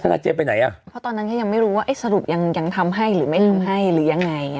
นายเจไปไหนอ่ะเพราะตอนนั้นก็ยังไม่รู้ว่าสรุปยังยังทำให้หรือไม่ทำให้หรือยังไง